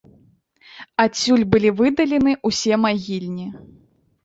Адсюль былі выдалены ўсе магільні.